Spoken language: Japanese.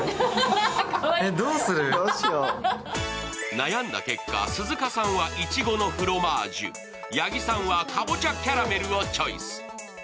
悩んだ結果、鈴鹿さんはいちごのフロマージュ、八木さんはかぼちゃキャラメルをチョイス。